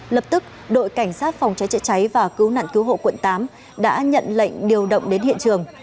lập tức đội cảnh sát phòng cháy chữa cháy và cứu nạn cứu hộ quận tám đã nhận lệnh điều động đến hiện trường